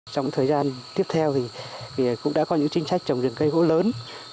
trong thời gian tiếp theo thì cũng đã có những chính sách trồng rừng cây gỗ lớn